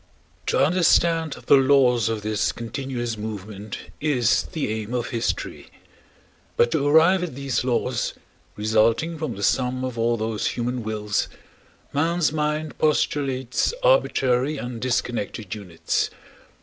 To understand the laws of this continuous movement is the aim of history. But to arrive at these laws, resulting from the sum of all those human wills, man's mind postulates arbitrary and disconnected units.